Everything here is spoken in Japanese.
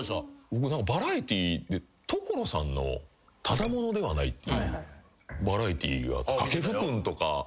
僕バラエティーで『所さんのただものではない！』っていうバラエティーがカケフくんとか。